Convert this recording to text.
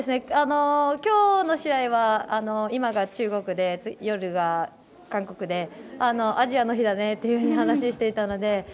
今日の試合は、今が中国で夜が韓国でアジアの日だねっていうふうに話をしていたので。